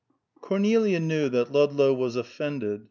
Cornelia knew that Ludlow was offended.